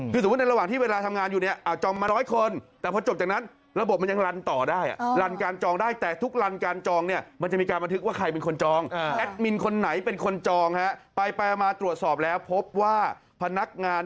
ไปมาตรวจสอบแล้วพบว่าพนักงาน